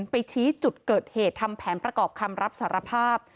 ไปชี้จุดเกิดเหตุทำแผนประกอบคำรับสารภาพ